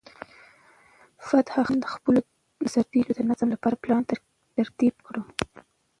فتح خان د خپلو سرتیرو د نظم لپاره پلان ترتیب کړ.